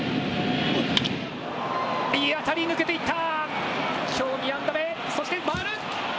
いい当たり、抜けていった。